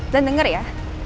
dan denger ya